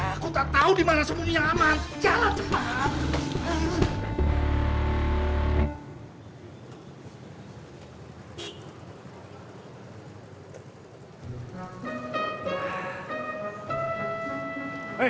aku tak tahu dimana sembunyi yang aman jalan cepat